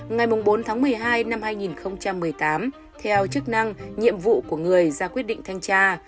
ngày bốn tháng một mươi hai năm hai nghìn một mươi tám theo chức năng nhiệm vụ của người ra quyết định thanh tra